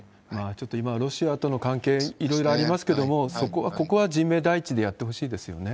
ちょっと今、ロシアとの関係、いろいろありますけれども、ここは人命第一でやってほしいですよね。